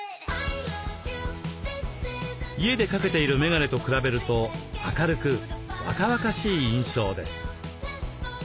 家で掛けているメガネと比べると明るく若々しい印象です。